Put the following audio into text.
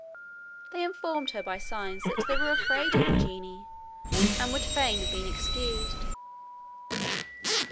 They informed her by signs that they were afraid of the genie, and would fain have been excused.